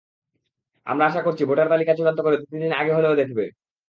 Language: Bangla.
আমরা আশা করছি, ভোটার তালিকা চূড়ান্ত করে দু-তিন দিন আগে হলেও দেখাবে।